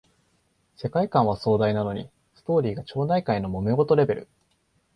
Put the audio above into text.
世界観は壮大なのにストーリーが町内会のもめ事レベル